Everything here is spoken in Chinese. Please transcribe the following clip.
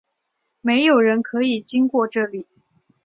没有人可以经过这里！